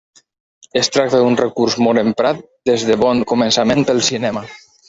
Es tracta d'un recurs molt emprat des de bon començament pel cinema.